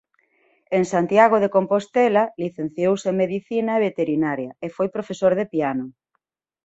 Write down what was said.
En Santiago de Compostela licenciouse en Medicina e Veterinaria e foi profesor de piano.